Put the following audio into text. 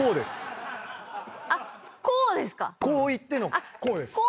こういってのこうです。